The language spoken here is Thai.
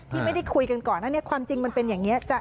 ที่ไม่ได้คุยกันก่อนอันนี้ความจริงมันเป็นอย่างนี้